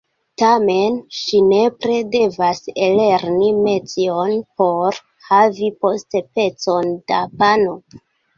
Tamen ŝi nepre devas ellerni metion, por havi poste pecon da pano.